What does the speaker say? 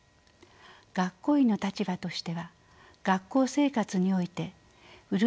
学校医の立場としては学校生活においてブル―